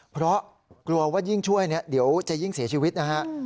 เพราะกลัวว่ายิ่งช่วยเนี่ยเดี๋ยวจะยิ่งเสียชีวิตนะฮะ